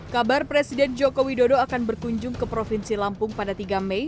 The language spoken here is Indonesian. kabar presiden joko widodo akan berkunjung ke provinsi lampung pada tiga mei